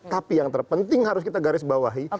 tapi yang terpenting harus kita garis bawahi